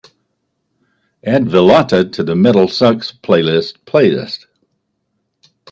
add villotta to The MetalSucks Playlist playlist